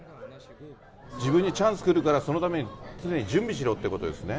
自分にチャンス来るから、そのために常に準備しろっていうことですね。